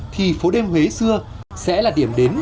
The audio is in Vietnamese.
thì phố đêm huế xưa sẽ là điểm đến